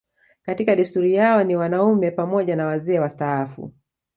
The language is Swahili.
Katika desturi yao ni wanaume pamoja na wazee wastaafu